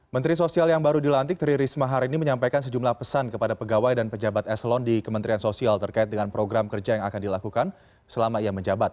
menteri sosial yang baru dilantik tri risma hari ini menyampaikan sejumlah pesan kepada pegawai dan pejabat eselon di kementerian sosial terkait dengan program kerja yang akan dilakukan selama ia menjabat